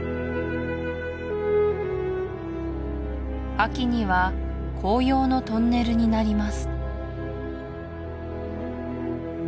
秋には紅葉のトンネルになります